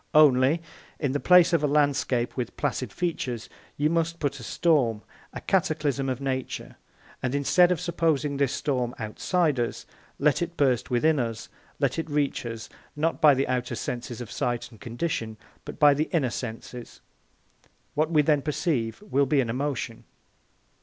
Only, in the place of a landscape with placid features you must put a storm, a cataclysm of nature; and, instead of supposing this storm outside us, let it burst within us, let it reach us, not by the outer senses of sight and condition, but by the inner senses. What we then perceive will be an emotion.